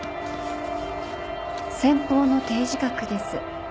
先方の提示額です。